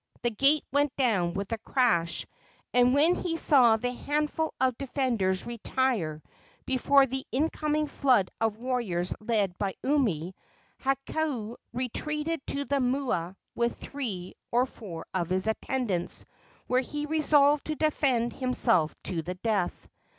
The gate went down with a crash; and when he saw his handful of defenders retire before the incoming flood of warriors led by Umi, Hakau retreated to the mua with three or four of his attendants, where he resolved to defend himself to the death.